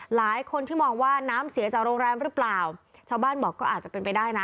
หลายคนที่มองว่าน้ำเสียจากโรงแรมหรือเปล่าชาวบ้านบอกก็อาจจะเป็นไปได้นะ